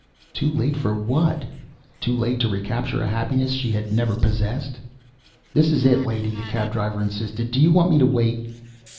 _" Too late for what? Too late to recapture a happiness she had never possessed? "This is it, lady!" the cab driver insisted. "Do you want me to wait?"